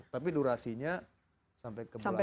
tapi durasinya sampai ke bulan